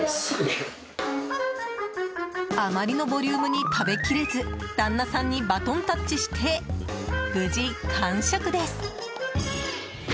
あまりのボリュームに食べ切れず旦那さんにバトンタッチして無事完食です。